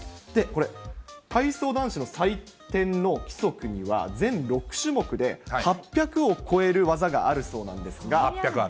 これ、体操男子の採点の規則には、全６種目で８００を超える技があるそうなんですが。